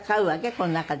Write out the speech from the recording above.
この中で。